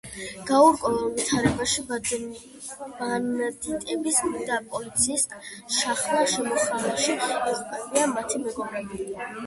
გაურკვეველ ვითარებაში, ბანდიტების და პოლიციის შახლა–შემოხლაში იღუპებიან მათი მეგობრები.